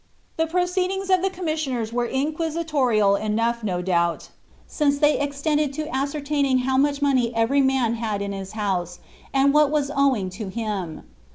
The proceedings of the commissioners were inquisitorial enough, no doubt, since they extended to ascertaining how much money every man had in his house, and what was owing to him.